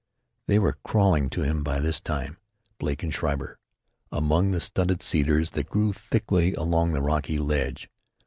They were crawling to him by this time, Blake and Schreiber, among the stunted cedars that grew thickly along the rocky ledge.